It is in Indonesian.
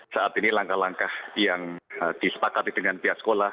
saat ini langkah langkah yang disepakati dengan pihak sekolah